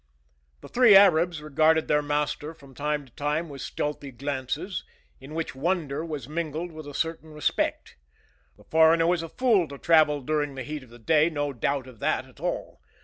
The three Arabs regarded their master from time to time with stealthy glances, in which wonder was mingled with a certain respect. The foreigner was a fool to travel during the heat of the day; no doubt of that at all.